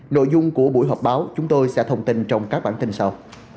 nội dung của buổi họp báo chúng tôi sẽ thông tin trong các bản tin sau